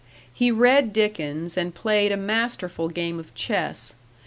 He read Dickens and played a masterful game of chess.